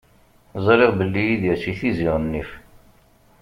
Ẓriɣ belli Yidir si Tizi Ɣennif.